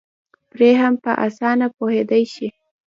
پرې هم په اسانه پوهېدی شي